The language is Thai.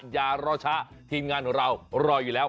อย่ารอช้าทีมงานของเรารออยู่แล้ว